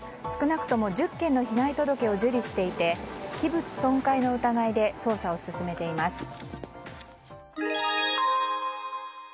少なくとも１０件の被害届を受理していて器物損壊の疑いで捜査を進めています。